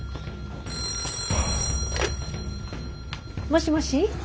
☎もしもし。